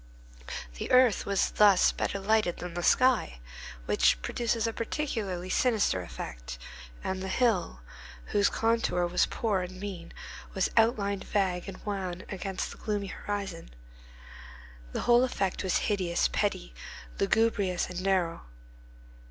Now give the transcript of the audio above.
The earth was thus better lighted than the sky, which produces a particularly sinister effect, and the hill, whose contour was poor and mean, was outlined vague and wan against the gloomy horizon. The whole effect was hideous, petty, lugubrious, and narrow.